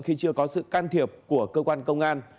khi chưa có sự can thiệp của cơ quan công an